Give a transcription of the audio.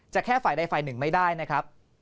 แค่ฝ่ายใดฝ่ายหนึ่งไม่ได้นะครับ